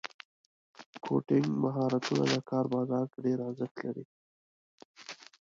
کوډینګ مهارتونه د کار بازار کې ډېر ارزښت لري.